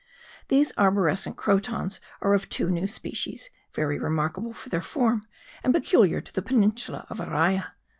These arborescent crotons were of two new species,* very remarkable for their form, and peculiar to the peninsula of Araya.